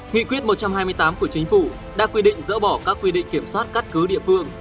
nghị quyết một trăm hai mươi tám của chính phủ đã quy định dỡ bỏ các quy định kiểm soát căn cứ địa phương